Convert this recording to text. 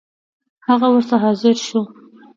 هغه ورته حاضر شو.